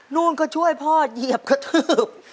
นู่นก็ช่วยพ่อเหยียบกระทืบ